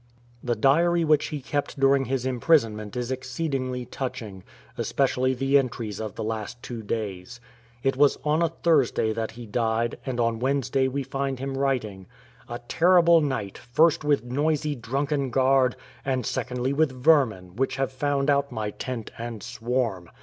The diary which he kept during his imprisonment is exceedingly touching, especially the entries of the last two days. It was on a Thursday that he died, and on Wednesday we find him writing :" A terrible night, first with noisy drunken guard, and secondly with vermin, which have found out my tent and swarm.